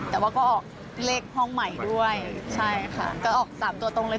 แต่ว่าก็ออกเลขห้องใหม่ด้วยใช่ค่ะก็ออกสามตัวตรงเลย